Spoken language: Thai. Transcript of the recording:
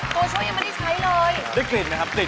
โตช่วยังไม่ได้ใช้เลย